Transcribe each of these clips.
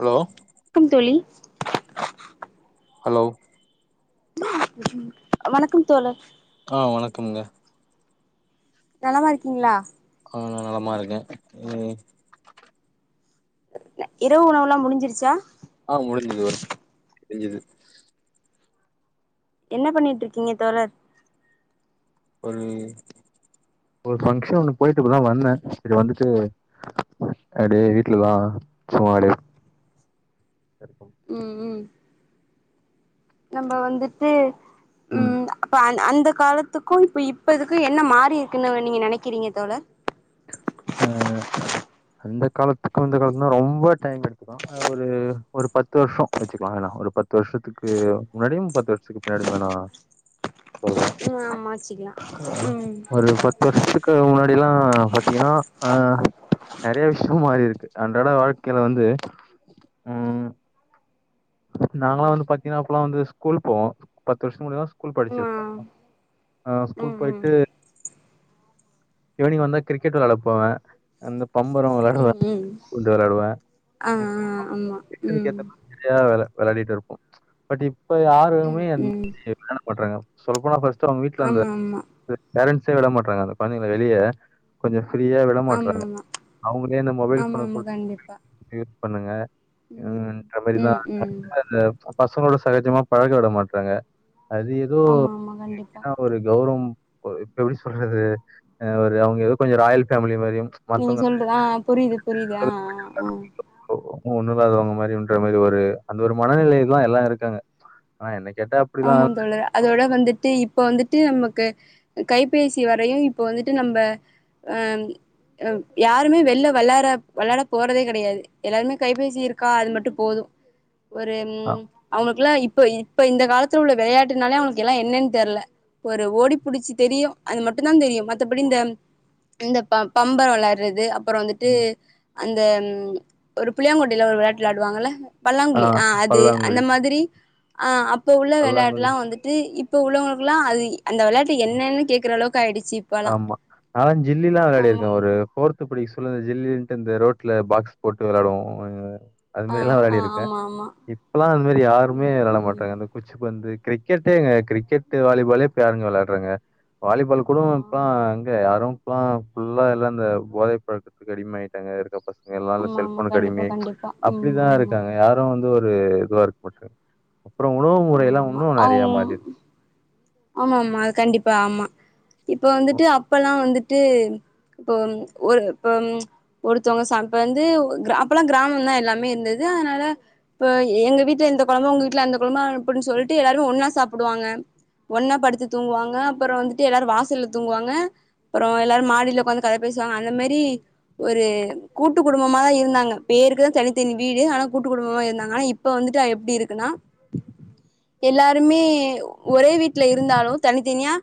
Hello க்கம் தோழி hello வணக்கம் தோழர் ஆஹ் வணக்கம்க நலமா இருக்கீங்களா உம் நலமா இருக்கேன் உம் இரவு உணவு எல்லாம் முடிஞ்சிருச்சா ஆஹ் முடிஞ்சுது ஒர்க் முடிஞ்சுது என்ன பண்ணிட்டு இருக்கீங்க தோழர் ஒரு ஒரு ஃபங்ஷன் ஒன்னு போய்ட்டு இப்பதான் வந்தேன் சரி வந்துட்டு அப்டியே வீட்லதான் சும்மா அப்டியே நம்ப வந்துட்டு உம் ம் அப்ப அந் அந்த காலத்துக்கும் இப்ப இப்பதுக்கு என்ன மாறிருக்குனு நீங்க நெனக்கிறீங்க தோழர் அஹ் அந்த காலத்துக்கு இந்த காலத்துனா ரொம்ப டைம் எடுத்துக்கு ஒரு ஒரு பத்து வருஷம் வச்சுக்கலாம் வேனா ஒரு பத்து வருஷத்துக்கு முன்னாடியும் பத்து வருஷத்துக்கு பின்னாடியும் வேணா சொல்றே உம் ஆம்மா வச்சிக்லான் ஆ உம் டிலா பாத்தீங்கனா ஆஹ் நெறய விஷயம் மாரிருக்கு அன்றாட வாழ்க்கைல வந்து உம் நாங்கலா ஆமா வந்து பாத்தீங்கனா அப்பலாம் வந்து ஸ்கூல் போவோம் பத்து வருஷ முன்னாடிதா ஸ்கூல் ம் படிச்சிருப்ப ஆஹ் ஸ்கூல் ம் போய்ட்டு இவ்னிங் வந்தா கிரிக்கெட் விளாட போவேன் அந்த பம்பரம் விளாடுவேன் குண்டு விளாடுவேன் ஆஹ் ஆஹ் ஆமா உம் நெறையா விள விளையாடிட்டு இருப்போம் பட் இப்ப யாருமே ம் அந்தி ம் விளையாட மாட்டாறாங்க சொல்ல போனா ஃபஸ்ட் அவுங்க வீட்டுல வந்து ஆமா ஆமா பேரண்ட்ஸே விட மாட்டாங்கந்த குழைந்தங் வெளிய கொஞ்சம் ஃப்ரீயா ஆமா விடமாட்டறாங்க ஆமா அவங்களே அந்த மொபைல் ஆமா போன ஆமா கண்டிப்பா யூஸ் பண்ணுங்க ம் மாரிதான் ம் ம் அந்த பசங்களோட சகஜமா பழக்க விட மாட்டறாங்க அது ஏதோ ஆமா ஆமா கண்டிப்பா [unintelligible] ஒரு கௌரவம் போய் எப்படி சொல்றது அவரு அவங்க ஏதோ கொஞ்சம் ராயல் கெல் ஃபேமிலி மாரியும் நீங்க சொல்றது ஆஹ் புரியுது புரியுது ஆஹ் ஆஹ் ஒன்னு இல்லாதவங்க மாரி கன்ற மாரி ஒரு அந்த ஒரு மனநிலைல்லாம் எல்லாம் இருக்காங்க ஆனா என்னை ஆமா தோழர் அதோட வந்து ட்டு இப்ப வந்துட்டு நமக்கு கைபேசி வரையும் இப்ப வந்துட்டு நம்ம அஹ் யாருமே வெளில விளா விளாட போறதே கிடையாது எல்லாருமே கைபேசி இருக்கா அது மட்டும் போதும் ஒரு அ ம் அவங்களுக்கெல்லாம் இப்ப இப்ப இந்த காலத்துல உள்ள விளையாட்டுனாலே அவங்களுக்கு எல்லாம் என்னன்னு தெரில ஒரு ஓடி புடிச்சி தெரியும் அது மட்டும் தான் தெரியும் மத்தபடி இந்த பம்பரம் விளையாடுறது அப்புறம் வந்துட்டு ம். அந்த ம் ஒரு புளியாங்கொட்டையில ஒரு விளாட்டு விளாடுவாங்கல்ல ஆ பல்லாங்குழி ஆஹ் அது அந்த பல்லாங்குழி, மாதிரி ஆஹா இப்ப உள்ள பல்லாங்குழி. விளையாட்டுலாம் வந்துட்டு இப்ப உள்ளவங்களுக்குல்லாம் அதி அந்த வெளாட்டு என்னன்னுேக்குறாலோ ஆமா நா ஜில்லி எலாம் விளையாடி ஆமா இருக்கேன் ஒரு ஃபோர்த் படி ஜில்லின்ட்டு இந்த ரோட்ல பாக்ஸ் போட்டு வெளயாடுவோம் அது ஆ மாரி எல்லாம் ஆ வெளாடி இருக்கேன் ஆமா ஆமா இப்ப எல்லாம் அது மாரி யருமே ம் விளயாட ம் மாட்டறாங்க அந்த குச்சி பந்து கிரிக்கெட்டே எங்க கிரிக்கெட் வாலிபாலே இப்ப யாருங்க விளையாடுறாங்க வாலிபால் கூட ஆமா ஆமா அங்க யாரும்ல்லாம்புல்லா எல்லாம் இந்த போதை பழக்கத்துக்கு அடிமாயிட்டா இதுக்கு அப்பறம் பசங்க எல்ல ஆமா ஆமா செல்போன் கண்டிப்பா அடிமை கண்டிப்பா ம் அப்டிதான் ஆமா இருக்காங்க யாரும் வந்து ஒரு இது வ இருக்கு போட்ட அப்பறம் உணவுல முற ஆமா எலாம் ஆமா இன்னும் நெறய மாரி அவுங் இருக்கு ஆமா ஆமா அது கண்டிப்பா ஆமா இப்ப இப்போ. வந்துட்டு அப்பலாம் வந்துட் ட்டு இப்போ ஒரு இப்ப ஒருத்தவங்க இப்ப வந்து அப்பல்லாம் கிராமம்தான் எல்லாமே இருந்தது அதனால இப்ப எங்க வீட்டுல எந்த கொழம்ப உங்க வீட்டுல அந்த கொழம்ப அப்டின்னு சொல்லிட்டு எல்லாருமே ஒண்ணா சாப்பிடுவாங்க ஒன்னா படுத்து தூங்குவாங்க அப்புறம் வந்துட்டு எல்லாரும் வாசல்ல தூங்குவாங்க அப்பறம் எல்லாரும் மாடியில உக்கார்ந்து கத பேசுவாங்க அந்த மாரி ஒரு கூட்டு குடும்பமாதான் இருந்தாங்க பேருக்குதான் தனித்தனி வீடு ஆனா கூட்டு குடும்பமா இருந்தாங்க ஆனா இப்ப வந்துட்டு எப்டி இருக்குன்னா எல்லாருமே ஒரே வீட்டு வீட்டுல இருந்தாலும் தனித்தனியா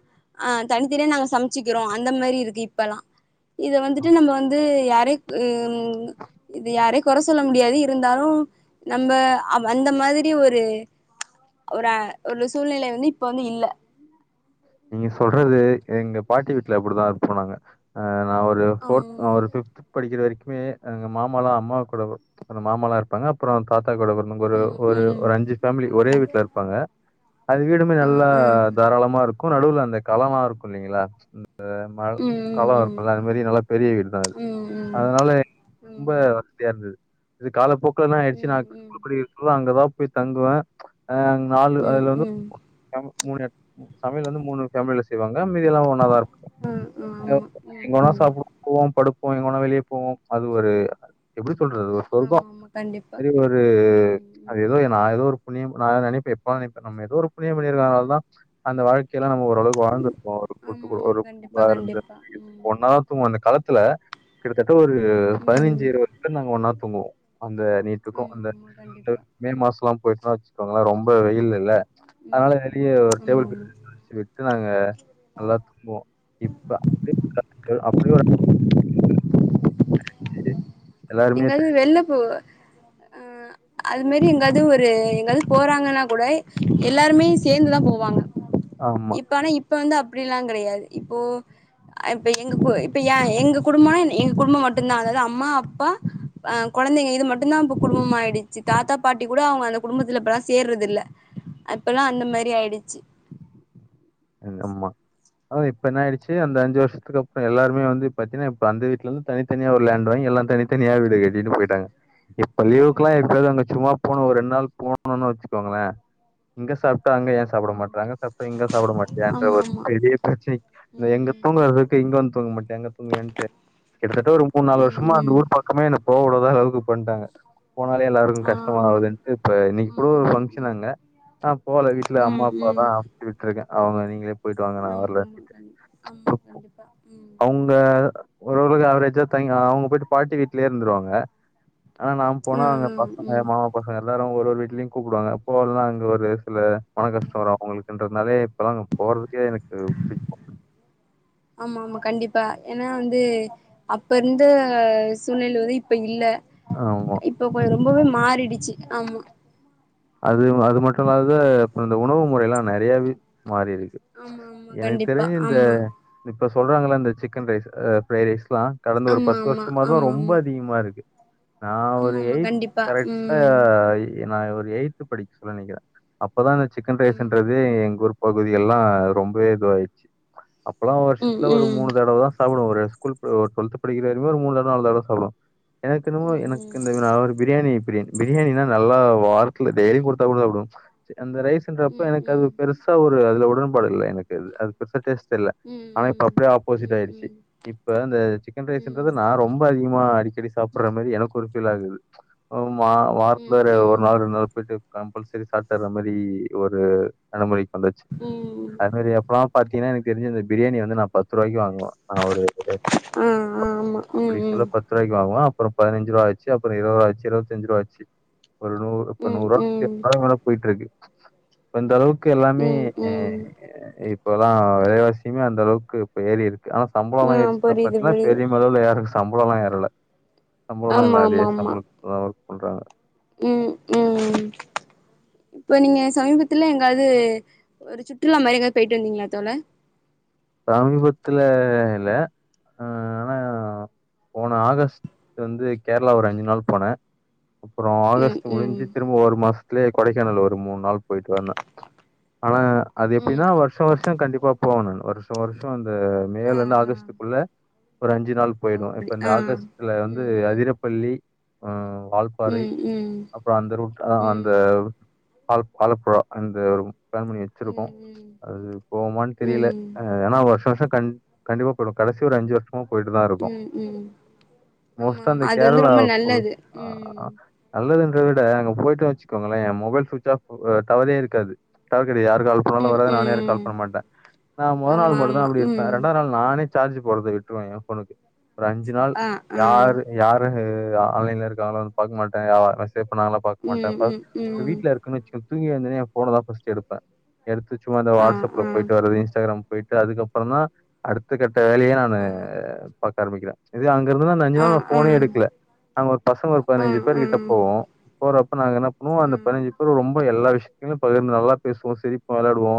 ஆஹ் தனித்தனியா நாங்க சமச்சிக்கிறோம் அந்த மாரி இருக்கு இப்ப எலாம் இத வந்துட்டு நம்ம வந்து யாரே இது யாரே குற சொல்ல முடியாது இருந்தாலும் நம்ம அந்த மாதிரி ஒரு சூழ்நிலை வந்து இப்ப வந்து இல்ல நீங்க சொல்றது எங்க பாட்டி வீட்டுல அப்படிதான் இருப்போம் நாங்க அஹ் ஒரு ஃபோர்த் ம் ஒரு ஃபிப்த் படிக்கிற வரைக்கும் ங்க மாமல்லாம் அம்மா கூட மாமாலாம் இருப்பாங்க அப்பறம் ம் தாத்தா ஒரு ம் அஞ்சு ஃபேமிலி ஆ ஒரே ஆ வீட்டுல இருப்பாங்க அது வீடுமே நல்லா ஆ ம் தாராளமா இருக்கும் நடுவுல அந்த கலல இருக்கும் இல்லங்களா மழ ம் கலம் ம் வெப்பம் ல்ல அது மாதிரி ஆமா நல்லா பெரிய வீடு தான் அது ம் ம் அதனால ம் ம் ரொம்ப ம் வசதியா இருந்தது இது இது காலப்போக்க இப்பலாம் ஆயிடுசி ம் ம் [unintelligible] அங்கதான் போய் தங்குவேன் அ நாலு அதுல வந்து ம் மூணு எ [inaudible] தமிழ் வந்து மூணு தமிழ்ல செய்வங்க மதியெல்லாம் ஒன்ன தான் இருக்கும் ம் ஆமா ம் எங்க ஒன்னா ம் சாப்பிடுவோம் படு போ எங்க வேணா வெளிய போவோம் அது ஒரு எப்டி சொல்றது ஆமா சொல்வோம் ஆமா கண்டிப்பா சரி ஒரு ம் அது ம் ஏதோ நான் ஏதோ ஒரு புண்ணியம் நா நெனைப்பன் எப்பல்லா நெனைப்ப நம்ம எதோ ஒரு புண்ணியம் பன்னிருக்கனாலதா. அந்த வாழ்க்கை எல்லா. ஓரளவுக்கு வாழ்ந்திருப்போ ஒரு கூட்டு ஆமா ஆமா கண்டிப்பா கண்டிப்பா ம் ம் [unintelligible] அந்த களத். த்துல கிட்டத்தட். ட ஒரு பதினஞ்சு இருவது பேரு வரைக்கு நாங்க ஒன்னாத் தூங்குவோ. அந்த நீட்டுக்கு ஆமா அந்த ஆமா கண்டிப்பா மே மாசலா. போயி வச்சுக்கோங்களே ரொம்ப வெயில் இல்ல ம் அதனால வெளிய. ம் ஆமா டேபிள் ஆமா [unintelligible] விட்டு நாங்க. அல்லாத் தூங்குவோ. [unintelligible] [unintelligible] சேரி. எங்காது வெள்ளப்போ. அஹ அது மாதிரி எங்காவது ஒரு எங்காவது போறாங்கன்னா கூட எல்லாருமே சேந்துதா போவாங்க. ஆமா, இப்ப ஆனா இப். இப்ப வந்து அப்டில்லா கெடையாது. இப்போ இப்ப எங்க இப்ப எங்க குடும்பம் எங்க குடும்பம் மட்டும்தா அதாவது அம்மா அப்பா. அஹ குழந்தைங்க இது மட்டுதா இப்ப குடும்பமா ஆயிடுச்சு தாத்தா பாட்டி கூட அவங்க அந்த குடும்பத்துல இப்பல்லா சேர்றது இல்ல. இப்பல்லா அந்த மாரி ஆயிடுச்சு. ஆமா அதா இப்ப என்ன ஆயிடுச்சு அந்த அஞ்சு வருஷத்துக்குப்புறோ எல்லாருமே வந்து பாத்தீன்னா இப்ப அந்த வீட்டுல இருந்து தனித்தனியா ஒரு லேண்ட் வாங்கி எல்லா தனித்தனியா வீடு கட்டிட்டு போயிட்டாங்க. இப்ப லீவுக்குல்லா ஆமா எப்பயாது அங்க சும்மா. போனோ ஒரு ரெண்டு நாள் போனுன்னு வச்சுக்கோங்கள. இங்க சாப்பட்டா அங்க ஏ ஆமா ம் சாப்பட்டமாற்ற அங்க சாப்பட்டா இங்க சாப்பட்டமாற். ஏன்ட ஆமா ஒரு ஆமா பெரிய பிரச்சன இந்த எங்க ம் தூங்க வர்துக்கு. இங்கவந்து தூங்க மாட்டியா அங்க. ங்கவண்டு கிட்டத்தட்ட ஒரு மூணு நாலு ம் வருஷமா அந்த ம் ஊர் பக்கமே என்ன போக வுடல. போகாதஅளவுக்கு பண்ணிட்டாங்க. போனாலே எல்லாருக்கு கஷ்டமா ஆமா ஆகுதுன்ட்டு இப்ப இன்னகக்கு கூட ஒரு ம் ஃபங்க்ஷன் ம் அங்க நா போல வீட்டுல அம்மா ம் அப்பா தா அனுப்புசு விட்டுருக்க. அவங்க நீங்களே. உம் ஆமா ஆமா கண்டிப்பா ஆமா கண்டிப்பா உம்ம். ஓர் அளவுக்கு அவரேஜா. அவங்க போயிட்டு பாட்டி வீட்டுலயே இருந்துருவாங்க. ஆஹ நா ம் போனா அங்க ம் பசங்க ம் மாமா பசங்க எல்லாரு. ஒரு ஒரு வீட்டுலயும் கூப்பிடுவாங்க போகலனா அங்க ஒரு. இல்ல மன கஷ்டோ வரு அவங்களுக்குன்றது. நறைய. இப்பல்லா போறதுக்கே எனக்கு புடிக்க மாடேங்குது. ஆமா ஆமா கண்டிப்பா ஏன்னா வந்து அப்ப இருந்த சூழ்நில வந்து இப்ப இல்ல ஆமா. இப்ப கொஞ்சம் ரொம்பவே மாறிடுச்சு ஆமா அது அது மட்டும் இல்லாத இப்ப இந்த உணவு முறை எல்லாம் நெறையாவே மாறி இருக்கு ஆமா ஆமா எனக்கு கண்டிப்பா தெரிஞ்சு இந்த ஆமா இப்ப சொல்றாங்கள இந்த சிக்கன் ரைஸ் ஃப்ரைட் ரைஸ் லாம் கடந்த ஒரு ஆமா பத்து ஆமா வருஷமா தான் ஆமா ரொம்ப ஆமா அதிகமா இருக்கு நான் ஆமா ஒரு ஆமா ஏய்து கண்டிப்பா கரெக்டா ம் நா ஒரு எய்த் படிக்க சொல்ல நெனக்கிறேன் அப் அப்பதான் இந்த சிக்கன் ஆமா ரைஸ்ன்றது எங்க ம் ஊர் பகுதி எல்லா ரொம்பவே இது ஆயிச்சு அப்பெல்லாம் ம் ம் வருஷத்துல ஒரு ம் மூணு தடவ தான் சாப்பிடுவோ ஒரு ஸ்கூல் டொல்த் படிக்கிற வரைமே ஒரு மூனு இல்ல நாலு தடவ சாப்டுவ எனக்கு என்னமோ எனக்கு ம் இந்த நா ஒரு பிரியாணி பிரியாணி பிரியாணின்னா நல்லா வா டெய்லியும் குடுத்தா கூட சாப்பிடுவோம் அந்த ம் ரைஸ்ன்றப்ப எனக்கு அது ம் பெருசா ஒரு அதுல உடன் பாடுல்ல எனக்கு அது பெருசா டேஸ்ட் இல்ல ம் ஆனா இப்ப அப்படியே ம் ஆப்போசிட் ஆயிடுச்சு ம் இப்ப அந்த சிக்கன் ம் ரைஸ்ன்றது ம் நான் ரொம்ப அதிகம் அடிக்கடி சாப்பிடுற மாரி எனக்கு ஒரு பீல் ஆகுது ம் வாரத்துல ம் ஒரு நாள் ரெண்டு நாள் கம்பல்சரி சாப்ட்ற மாரி ஒரு நடமுறை வந்துச்சு ம் அது மாரி எப்பன்னா பாத்தீங்கன்னா எனக் கு தெரிஞ்சு இந்த பிரியாணி வந்து நா பத்து ரூாபாய்க்கு வாங் அவரு ஆ ஆ ஆமா இப்படி ம் சொல்ல பத்து ரூபாய்க்கு வாங்குவா அப்புறம் பதினஞ்சுரூபாச்சு அப்புறம் இருவதுரூவாச்சு இரவத்தஞ்சுரூவாச்சு ஒரு நூறு இப்ப ம் ம் நூறுவா போயிட்டு இருக்கு ப்ப இந்தளவுக் இப்போ எல்லாமே ம் ம் ம் இப்போல்லாம் விலைவாசிமே அந்த அளவுக்கு இப்ப ஏறி இருக்கு ஆனா சம்பளம் ஆ ஏறிச்சுனா புரியுது பாத்தீங்கன்னா புரியுது பெரிய அளவுல ஏறல சம்பளம்லா ஏறல சம்பளம்ல்ல அதே சம்பள சொல்றாங்க உம் உம் இப்ப நீங்க சமீபத்துல எங்காவது ஒரு சுற்றுலா மாரி ஏதாவது போயிட்டு வந்தீங்களா தோழா சமீபத்துல இல்ல ஆ ஆனா போன ஆகஸ்ட் வந்து கேரளா ஒரு அஞ்சு நாள் போனே அப்புறோ ம் ஆகஸ்ட் ம் முடிஞ்சு திரும்ப ஒரு மாச த்திலே கொடைக்கானல் ஒரு மூணு நாள் போயிட்டு வந்தே ஆனா அது ம் எப்டின்னா வருஷா வருஷ கண்டிப் பா போகணு வருஷா வருஷோ இந்த மே ல ஆ இருந்து ஆ ஆகஸ்ட்டுக்குள்ள ஒரு அஞ்சு நாள் ஓ போயிருவோ இப்ப அப்டி இந்த ஆ ஆகஸ்ட்ல வந்து ம் அதிரப்பள்ளி ஆஹ் ம் வால்பாறை ம் ம் அப்பற அந்த ரூட் ஆ அந்த ம் ஆல் ஆலப்புழா அந்த பிளான் பண்ணி வச்சிருக்கோ ம் அது போவமான்னு தெரியல ம் ம் அ ஏன்னா வருஷா வருஷம் கண் கண்டிப்பா போயிடுவோ கடைசி ஒரு அஞ்சு வருஷ மா போயிட்டுதா இருக்கோ ம் ம் ஆமா மோஸ்ட்டா ஆமா அந்த அது வந்து கேரளா ரொம்ப ப நல்லது ஆ ம் [unintelligible] அத விட அங்க போயிட்டேன்னு வச்சுக்கோங்களே மொபைல் சுவிட்ச் ஆஃப் ஆ டவரே இருக்காது டவர் இது யாரு கால் பண்ணாலு ம் வராது நானு யாருக்கு ம் கால் பண்ண மாட்டே மொத நாள் ஆமா மட்டும்தா ஆமா அப்படி இருப்பே ம் ரெண்டாது நாள் நா னே சார்ஜ் போட்றத விட்ருவே என் ஃபோனுக்கு ஒரு அஞ்சு நாள் ஆ ஆ யாரு யாரு ஆ அ ஆன்லைன்ல இருக்கறாங்களோன்னு பாக்க மாட்டே அ [unintelligible] செக் பண்ணிலா பாக்க மாட்டே ம் ம் [unintelligible] இப்ப ம் வீட்ல இருக்கன்னு வச்சுக்கங் தூங்கி எழுந்தவுனே என் ஃபோனதா ஃபர்ஸ்ட்டு எடுப்பே எடுத்து சும்மா இந்த ஆ வாட்ஸ்ஆப்ல ஆ போயிட்டு வரது இன் ஸ்டாகிராம் போயிட்டு அதுக்கப்புறோந்தா அடுத்த கட் ட்ட வேலைய நானு ஆ பாக் க ஆரம்பிக்கிறே இதே அங் கிருந்த அஞ்சு ஆ நாள் நா ஆ ஆ ஆ ஃபோனே எடுக்கல நாங்க ஒரு பசங்க ஒரு பதினைஞ்சு பேர் ஆ கிட்ட போவோ போற ப்ப நாங்க என்ன பண்ணுவோ அந்த பதினஞ்சு பேர் ரொம்ப எல்லா விஷ யமு பகிர்ந்து நல்லா பேசுவோ சிரிப்போ வெளாயாடுவோ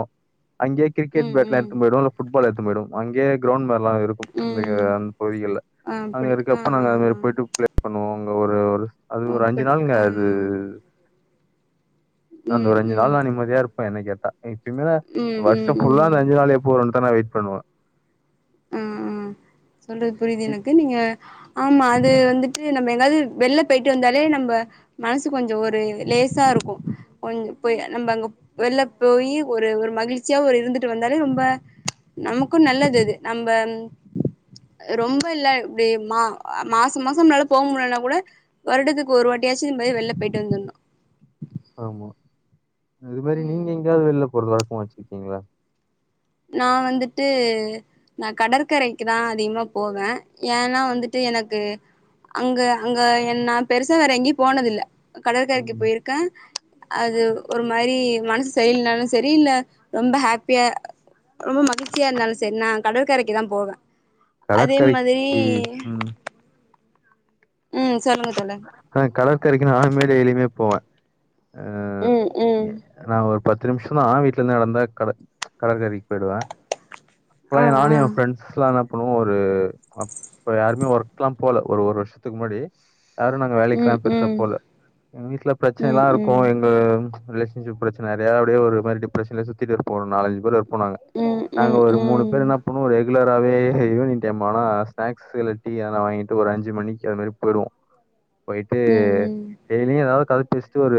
அங்கயே கிரிக்கெட் ம் பேட் எல்லா ம் எடுத்துனு போயிருவோ இல்ல ஃபுட்பால் எடுத் துனு போயிருவோ அங்கயே கிரவுண்ட் மார லா இருக்கு அந்த ம் அந்த பகுதிகள்ல ஆ அங்க அப்படி ஆ இருக்கப்ப நாங்க அந்த ஆ மாரி போயிட்டு பிளே பண்ணுவோ ஒரு அது ஆ ஒரு அஞ்சு அப்படி நாளுங்க ஆ ஆ அது அந்த ம் ஒரு அஞ்சு நாள் ம் நான் நிம்மதியா இருப்பன் என்ன கேட்டா இப்பிமேங்க ம் வருஷம் ம் ஃபுல்லா ம் அந்த அஞ்ச நாள் எப்ப வரும்னு வெயிட் பண்ணுவேன் உம் உம்சொல்றது புரியுது இ எனக்கு நீங்க ஆமாஅது வந்துட்டு நம்ம எங்காவது வெள்ல போய்டு வந்தாலே நம்ம மனசுக்கு கொஞ்சம் ஒரு லேசா இருக்கும் கொஞ்சம் போய் நம்ம அங்கே வெள்ல போய் ஒரு ஒரு மகிழ்ச்சியா ஒரு இருந்துட்டு வந்தாலே ரொம்ப நமக்கும் நல்லது அது நம்ம ரொம்ப இல்ல இப்படி மா மாசம் மாசம்ளால போக முடியலனா கூட வருடத்துக்கு ஒரு வாட்டியாச்சு இது மாரி வெள்ல போயிட்டு வந்துடணும் ஆமா இது மாதிரி நீங்க ம் எங்கயாவது வெள்ல போறதா போச்சிருக்கீங்களா நான் வந்துட்டு நான் கடற்கரைக்கு தான் அதிகமா போவேன் ஏன்னா வந்துட்டு எனக்கு அங்க அங்க என் நான் பெருசா வேற எங்கையும் போனதில கடற்கரைக்கு ம். போயிருக்கன் அது ஒரு மாரி மனசு சரியில்லனாலும் சரி இல்ல ரொம்ப ஹேப்பியா ரொம்ப மகிழ்ச்சியா இருந்தாலும் செரி நான் கடற்கரைக்கு தான் போவன் கடற்கரைக்கு போய் உம் உம் சொல்லுங்க தோழர் கரைக்கு நானுமே டெய்லியுமே போவன் உம் உம் பத்து நிமிஷம் தான் வீட்ல இருந்து நடந்த கட கடற்கரைக்கு போயிடுவேன் ஆ அப்பல்லாம் ஆ நானும் என் ஃப்ரெண்ட்ஸ்லாம் அப்புறம் ஒரு அப்ப யாருமே ஒர்க் எல்லாம் போல ஒரு ஒரு வருஷத்துக்கு முன்னாடி யாரும் நாங்க ம் வேலைக்கல்லாம் பெருசா ம் போல எங்க வீட்டுல ம் பிரச்சனைலாம் இருக்கும் ம் எங்க ரிலேஷன்ஷிப் பிரச்சனை நறையா அப்படியே ஒரு மாரி டிப்ரஷன்லயே சுத்திட்டுருப்போம் ஒரு நாலஞ்சு பேர் போனாங்க ம் நாங்க ம் ஒரு மூணு பேர் ம் என்ன பண்ணுவோம் ஒரு ரெகுலராவே ஈவினிங் டைம் ஆனா ஸ்நாக்ஸ்சு இல்ல டீ ஏதுனா வாங்கிட்டு ஒரு அஞ்சு மணிக்கு அது மாரி போயிடுவோம் போய்டு ம் ம் டெய்லியும் ஏதாவது கத ஜஸ்ட் ஒரு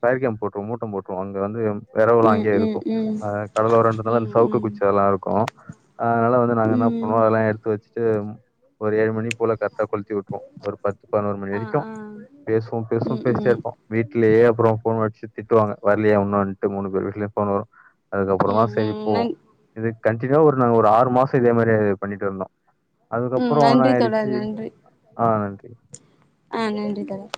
ஃபயர் கேம்ப் போட்ருவோம் மூட்டம் போட்ருவோம் அங்க வந்து வெரவுலாம் ம் அங்கயே ம் இருக்கும் ம் ஆஹ கடலோரன்றதுனால அந்த சவுக்கு ம் ம் குச்சி அதுல்லாம் இருக்கும் அதனால வந்து நாங்க என்ன ம் பண்ணுவோம் அதெல்லாம் எடுத்து வச்டு ஒரு ஏழு மணி போல கட் ட கொளுத்தி விட்டுருவோம் ஒரு பத்து பதினோரு மணி ஆ வரைக்கும் ஆ பேசுவோம் பேசுவோம் ம் பேசிட்டே ம் இருப்போம் வீட்டலேயே அப்புறம் போன் அடிச்சு திட்டுவாங்க வரலையே ஒன்னுன்னட்டு மூணு பேர் வீட்டுலையும் போன் வரும் அதுக்கப்புறம் ம் தான் செரி ம் போவோம் நன் இது கண்டினியூவா ஒரு நாங்க ஒரு ஆறு மாசம் இதே மாரியே பண்ணிட்டு வந்தோம் உம் நன்றி தொழர் நன்றி ஆஹ நன்றி ஆஹ நன்றி தோழர்